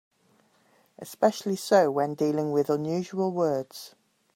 Especially so when dealing with unusual words.